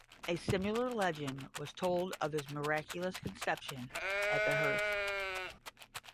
A similar legend was told of his miraculous conception at the hearth.